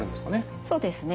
そうですね。